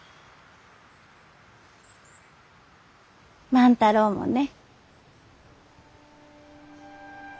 万太郎もね。